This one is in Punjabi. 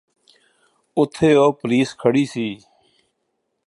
ਉ¤ਥੇ ਉਹ ਪੁਲਿਸ ਖੜ੍ਹੀ ਸੀ